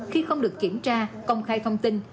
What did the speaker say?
khi không được kiểm tra công khai thông tin